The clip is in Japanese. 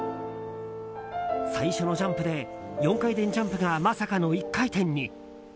最初のジャンプで４回転ジャンプがまさかの１回転に。